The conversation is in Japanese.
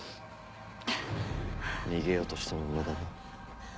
逃げようとしても無駄だ。